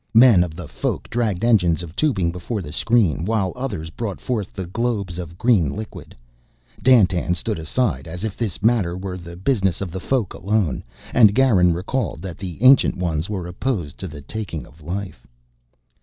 Men of the Folk dragged engines of tubing before the screen, while others brought forth the globes of green liquid. Dandtan stood aside, as if this matter were the business of the Folk alone, and Garin recalled that the Ancient Ones were opposed to the taking of life.